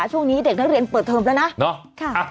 ช่วงนี้เด็กนักเรียนเปิดเทอมแล้วนะ